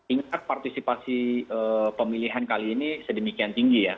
ingat partisipasi pemilihan kali ini sedemikian tinggi ya